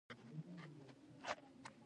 لس دقیقې نه وې پوره چې محصل راغی.